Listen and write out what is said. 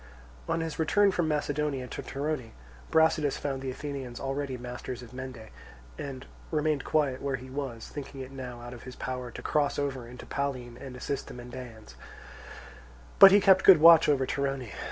On his return from Macedonia to Torone, Brasidas found the Athenians already masters of Mende, and remained quiet where he was, thinking it now out of his power to cross over into Pallene and assist the Mendaeans, but he kept good watch over Torone.